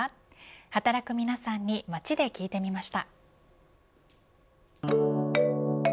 働く皆さんに街で聞いてみました。